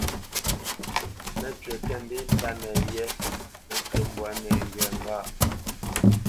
Mə́cywǐ kə̂ ndê ntánə yé nə́ ncú mbwǎ nɛŋgywa ŋgâʼ.